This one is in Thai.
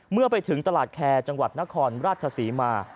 เมื่อไปถึงตลาดแคร์จังหวัดนครราชศรีมา